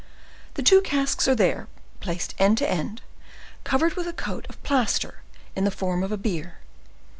The two casks are there, placed end to end, covered with a coat of plaster in the form of a bier.